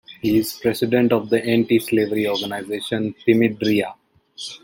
He is president of the anti-slavery organization Timidria.